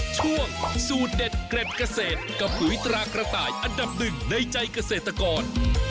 ช่วงสูตรเด็ดเกร็ดเกษตรกับปุ๋ยตรากระต่ายอันดับหนึ่งในใจเกษตรกร